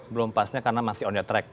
belum pasnya karena masih on the track